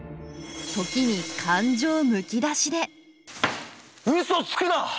時に感情むき出しでウソつくな！